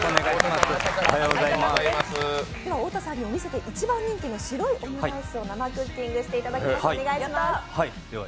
では太田さんにお店で一番人気の白いオムライスを生クッキングしていただきます。